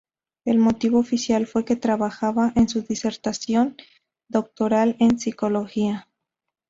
El motivo oficial fue que trabajaba en su disertación doctoral en psicología.